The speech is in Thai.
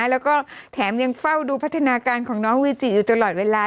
แล้วก็แถมยังเฝ้าดูพัฒนาการของน้องวีจิอยู่ตลอดเวลา